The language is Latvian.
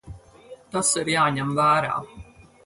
Tas ir jāņem vērā.